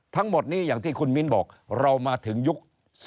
ทั้งหมดนี้อย่างที่คุณมิ้นบอกเรามาถึงยุค